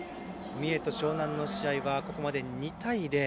三重と樟南の試合はここまで２対０。